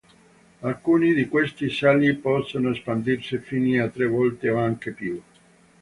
Alcuni di questi sali possono espandersi fino a tre volte o anche più.